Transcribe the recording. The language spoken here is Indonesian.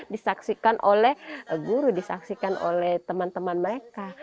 disaksikan oleh guru disaksikan oleh teman teman mereka